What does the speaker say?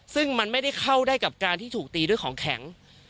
ซึ่งมันไม่ได้เข้าได้กับการที่ถูกตีด้วยของแข็ง